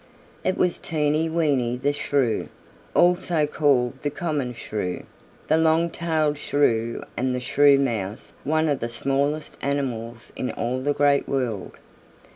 It was Teeny Weeny the Shrew, also called the Common Shrew, the Long tailed Shrew and the Shrew Mouse, one of the smallest animals in all the Great World.